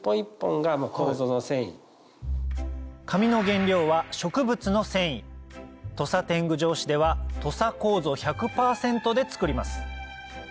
紙の原料は植物の繊維土佐典具帖紙では土佐楮１００％で作ります